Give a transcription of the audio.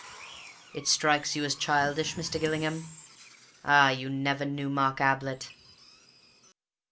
"It strikes you as childish, Mr. Gillingham? Ah, you never knew Mark Ablett.